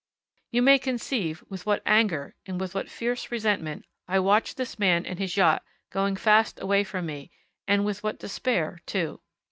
You may conceive with what anger, and with what fierce resentment, I watched this man and his yacht going fast away from me and with what despair too.